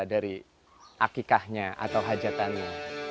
dari akikahnya atau hajatannya